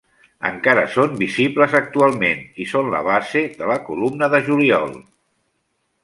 Encara són visibles actualment i són la base de la columna de Juliol.